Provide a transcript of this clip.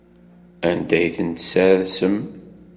Anda ay ten-tessersem?